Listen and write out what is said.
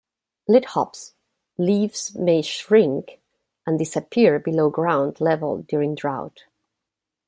"Lithops" leaves may shrink and disappear below ground level during drought.